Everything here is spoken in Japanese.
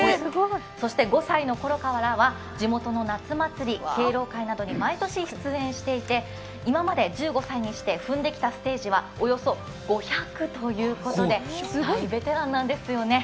そして５歳のころからは地元の夏祭り、敬老会などに毎年出演していて今まで１５歳にして踏んできたステージはおよそ５００ということで、大ベテランなんですよね。